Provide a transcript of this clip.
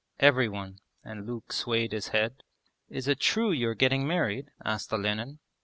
'Every one...' and Luke swayed his head. 'Is it true you are getting married?' asked Olenin.